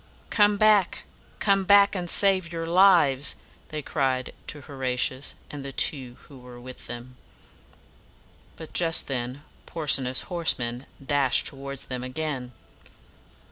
"Come back! come back, and save your lives!" they cried to Ho ra ti us and the two who were with him. But just then Porsena's horsemen dashed toward them again.